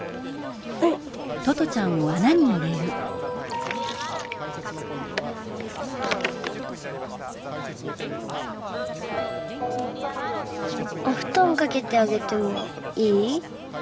うん。おふとんかけてあげてもいい？